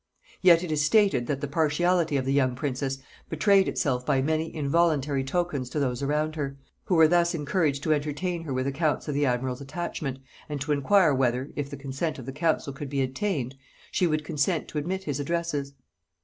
Yet it is stated that the partiality of the young princess betrayed itself by many involuntary tokens to those around her, who were thus encouraged to entertain her with accounts of the admiral's attachment, and to inquire whether, if the consent of the council could be obtained, she would consent to admit his addresses.